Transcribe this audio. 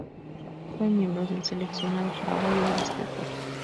Fue miembro del seleccionado paraguayo de básquetbol.